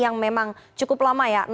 yang memang cukup lama ya